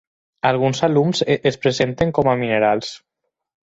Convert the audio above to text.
Alguns alums es presenten com a minerals.